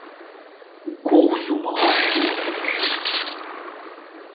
Гугъу зумыгъэхьми хъунущ.